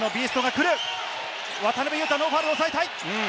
渡邊雄太のファウル、抑えたい。